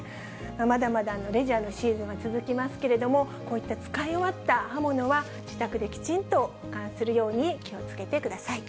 まだまだレジャーのシーズンが続きますけれども、こういった使い終わった刃物は、自宅できちんと保管するように、気をつけてください。